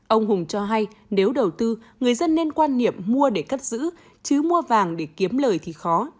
ông hùng cho hay nếu đầu tư người dân nên quan niệm mua để cất giữ chứ mua vàng để kiếm lời thì khó